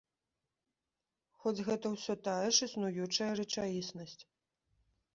Хоць гэта ўсё тая ж існуючая рэчаіснасць.